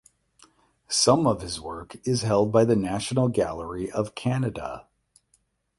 Some of his work is held by the National Gallery of Canada.